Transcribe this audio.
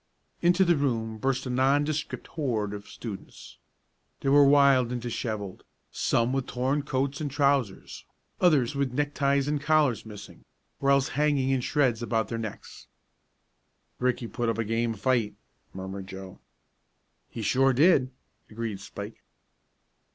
Into the room burst a nondescript horde of students. They were wild and disheveled, some with torn coats and trousers, others with neckties and collars missing, or else hanging in shreds about their necks. "Ricky put up a game fight!" murmured Joe. "He sure did," agreed Spike.